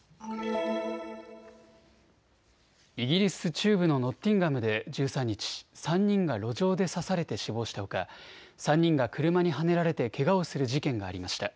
イギリス中部のノッティンガムで１３日、３人が路上で刺されて死亡したほか３人が車にはねられてけがをする事件がありました。